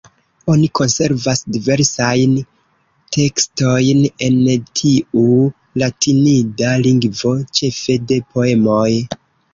Oni konservas diversajn tekstojn en tiu latinida lingvo, ĉefe de poemoj.